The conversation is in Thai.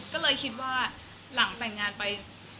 ก็เลยคิดว่าหลังแต่งงานไป